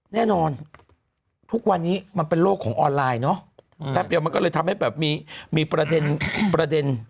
แน่นอนทุกวันนี้มันเป็นโลกของออนไลน์เนอะแป๊บเดียวมันก็เลยทำให้แบบมีประเด็นประเด็น